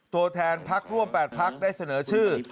ตัวแทนพักร่วม๘พักได้เสนอชื่อ